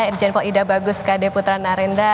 irjen paul ida bagus kd putra narenda